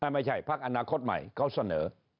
ไม่ใช่ภาคอนาคตใหม่เขาเสนอ